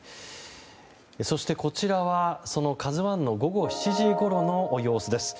そしてこちらはその「ＫＡＺＵ１」の午後７時ごろの様子です。